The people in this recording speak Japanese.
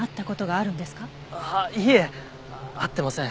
ああいえ会ってません。